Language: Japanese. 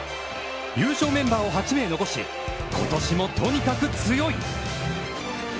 優勝メンバーを８名残し、ことしもとにかく強い！